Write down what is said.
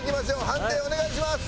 判定お願いします。